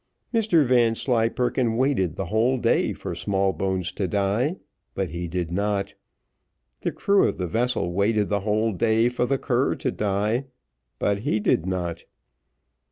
Mr Vanslyperken waited the whole day for Smallbones to die, but he did not. The crew of the vessel waited the whole day for the cur to die, but he did not.